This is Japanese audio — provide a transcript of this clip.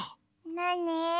なに？